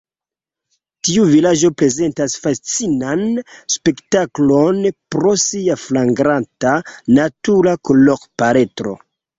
Tiu vilaĝo prezentas fascinan spektaklon pro sia flagranta natura kolorpaletro.